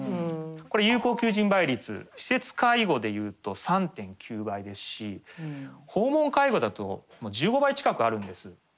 これ有効求人倍率施設介護で言うと３．９倍ですし訪問介護だと１５倍近くあるんです。